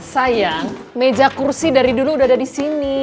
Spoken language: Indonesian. sayang meja kursi dari dulu udah ada di sini